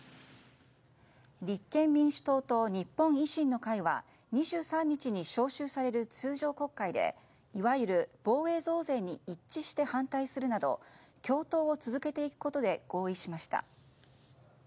立憲民主党と日本維新の会は２３日に召集される通常国会でいわゆる防衛費増税に一致して反対するなど共闘を続けていくことで合意しました。